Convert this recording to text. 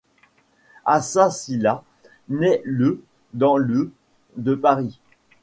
Assa Sylla naît le dans le de Paris.